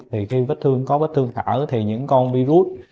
thì khi vết thương có vết thương thở thì những con virus